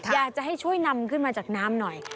อยากจะให้ช่วยนำขึ้นมาจากน้ำหน่อย